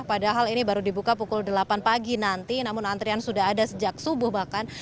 padahal ini baru dibuka pukul delapan pagi nanti namun antrian sudah ada sejak subuh bahkan